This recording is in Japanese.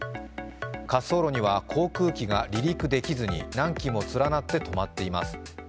滑走路には航空機が離陸できずに、何機も連なって止まっています。